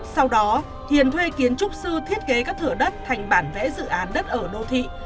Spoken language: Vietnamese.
sau đó thiền thuê kiến trúc sư thiết kế các thửa đất thành bản vẽ dự án đất ở đô thị